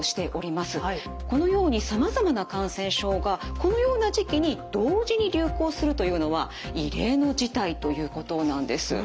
このようにさまざまな感染症がこのような時期に同時に流行するというのは異例の事態ということなんです。